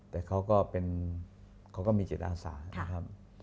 แต่เขาก็มีจิตอาสา